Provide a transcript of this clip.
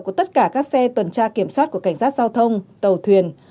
của tất cả các xe tuần tra kiểm soát của cảnh sát giao thông tàu thuyền